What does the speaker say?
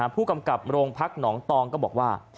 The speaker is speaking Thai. ผู้กำกับโรงพักหนองตองก็บอกว่า